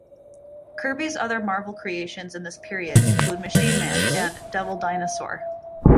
Kirby's other Marvel creations in this period include "Machine Man" and "Devil Dinosaur".